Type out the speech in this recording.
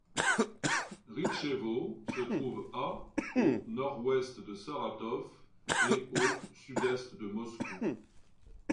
Rtichtchevo se trouve à au nord-ouest de Saratov et à au sud-est de Moscou.